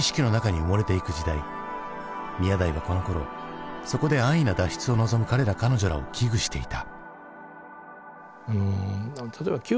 宮台はこのころそこで安易な脱出を望む彼ら彼女らを危惧していた。